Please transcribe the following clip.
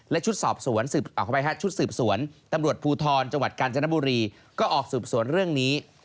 และชุดสอบสวนชุดสืบสวนตำรวจภูทรจังหวัดกาญจนบุรีก็ออกสืบสวนเรื่องนี้